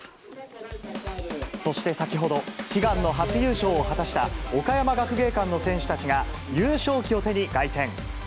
そして先ほど、悲願の初優勝を果たした岡山学芸館の選手たちが、優勝旗を手に凱旋。